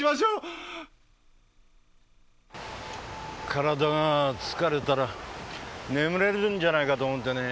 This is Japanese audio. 体が疲れたら眠れるんじゃないかと思ってね。